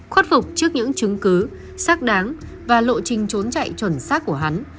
khuất phục trước những chứng cứ xác đáng và lộ trình trốn chạy chuẩn xác của hắn